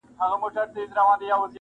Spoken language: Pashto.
خانه ستا او د عُمرې یې سره څه,